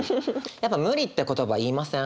やっぱ「無理」って言葉言いません？